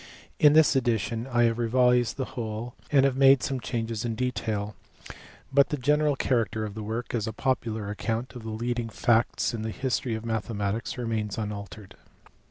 In this edition I have revised the whole and have made some changes in detail, but the general character of the work as a popular account of the leading facts in the history of mathematics remains unaltered.